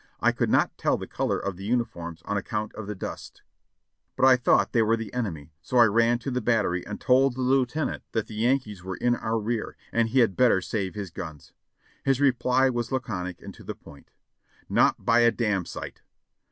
I could not tell the color of the uniforms on account of the dust, but I thought they were the enemy, so I ran to the battery and told the lieutenant that the Yankees were in our rear and he had better save his guns. His reply was laconic and to the point : ''Not by a damn sight